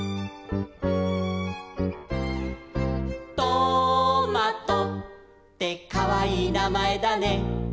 「トマトってかわいいなまえだね」